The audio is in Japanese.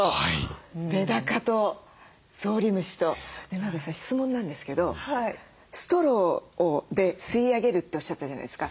名取さん質問なんですけどストローで吸い上げるっておっしゃったじゃないですか。